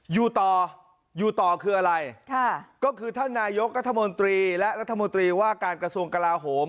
อยู่ต่ออยู่ต่อคืออะไรค่ะก็คือท่านนายกรัฐมนตรีและรัฐมนตรีว่าการกระทรวงกลาโหม